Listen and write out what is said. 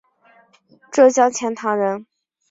浙江钱塘人。